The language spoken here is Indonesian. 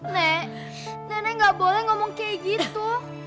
nek nenek gak boleh ngomong kayak gitu